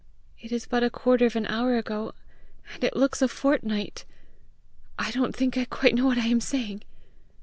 It is but a quarter of an hour ago, and it looks a fortnight! I don't think I quite know what I am saying!"